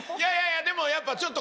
でもやっぱちょっと。